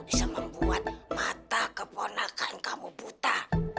bisa membuat mata keponakan kamu buta